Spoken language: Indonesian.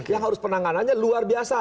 yang harus penanganannya luar biasa